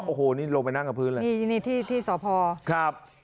โอ้โหนี่ลงไปนั่งกับพื้นเลยนี่นี่ที่ที่สพครับ